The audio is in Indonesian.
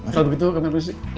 selalu begitu kamen rizie